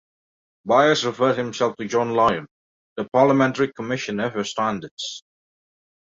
Byers referred himself to John Lyon, the Parliamentary Commissioner for Standards.